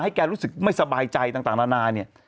แกรู้สึกไม่สบายใจต่างนานาเนี่ย